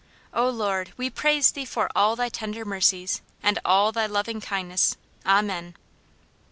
"O Lord, we praise Thee for all Thy tender mercies, and all Thy loving kindness. Amen!"